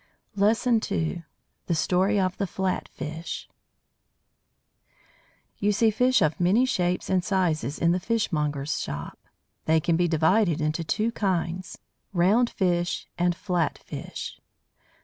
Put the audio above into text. LESSON II THE STORY OF THE FLAT FISH You see fish of many shapes and sizes in the fishmonger's shop; they can be divided into two kinds round fish and flat fish.